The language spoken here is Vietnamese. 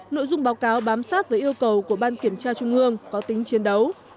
nội dung báo cáo bám sát với yêu cầu của ban kiểm tra trung ương có tính chiến đấu